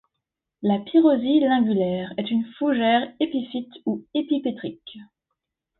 La pyrrosie lingulaire est une fougère épiphyte ou épipetrique.